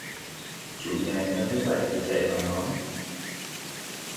Chủ nhà nghe thấy vậy thì chạy vào nói